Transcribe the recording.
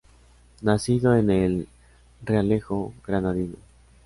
Nacido en el "Realejo" granadino.